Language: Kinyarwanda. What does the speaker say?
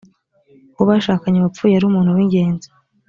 uwo bashakanye wapfuye yari umuntu wingenzi.